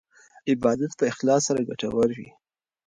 عبادت په اخلاص سره ګټور وي.